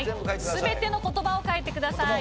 全ての言葉を書いてください。